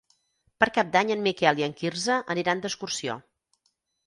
Per Cap d'Any en Miquel i en Quirze aniran d'excursió.